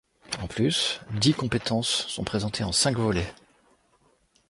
En plus, dix compétences sont présentées en cinq volets.